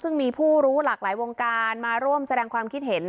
ซึ่งมีผู้รู้หลากหลายวงการมาร่วมแสดงความคิดเห็น